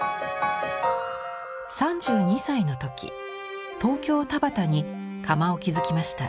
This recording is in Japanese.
３２歳の時東京田端に窯を築きました。